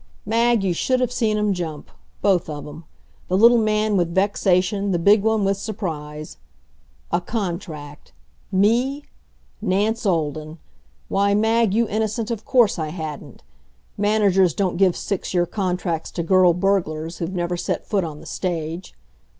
Mag, you should have seen 'em jump both of 'em; the little man with vexation, the big one with surprise. A contract! Me? Nance Olden! Why, Mag, you innocent, of course I hadn't. Managers don't give six year contracts to girl burglars who've never set foot on the stage.